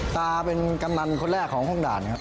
ตาเป็นกำนันคนแรกของห้องด่านนะครับ